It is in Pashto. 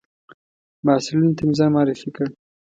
محصلینو ته مې ځان معرفي کړ.